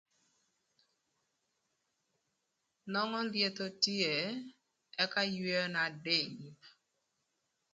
Nongo lyetho tye ëka yweo na dïng.